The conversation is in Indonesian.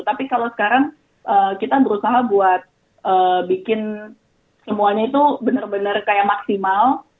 tapi kalau sekarang kita berusaha buat bikin semuanya itu bener bener kayak maksimal